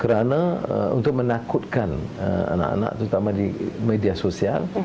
karena itu menakutkan anak anak terutama di media sosial